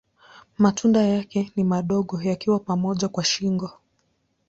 Matunda yake ni madogo yakiwa pamoja kwa shingo.